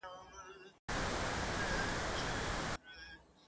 په هرګل کي یې مخ وینم په هر نظم کي جانان دی ..